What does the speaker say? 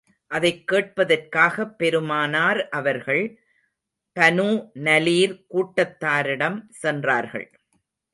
அதைக் கேட்பதற்காகப் பெருமானார் அவர்கள், பனூ நலீர் கூட்டத்தாரிடம் சென்றார்கள்.